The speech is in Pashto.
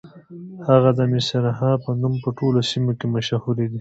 هغه د مصرعها په نوم په ټولو سیمو کې مشهورې دي.